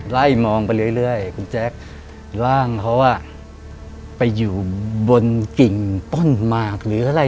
ไล่มองไปเรื่อยคุณแจ๊คร่างเขาไปอยู่บนกิ่งต้นมากเลยนะ